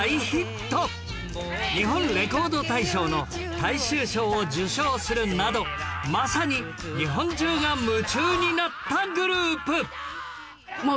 日本レコード大賞の大衆賞を受賞するなどまさに日本中が夢中になったグループ